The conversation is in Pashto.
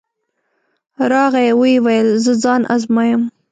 راغی او ویې ویل زه ځان ازمایم.